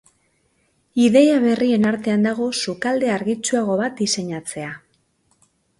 Ideia berrien artean dago sukalde argitsuago bat diseinatzea.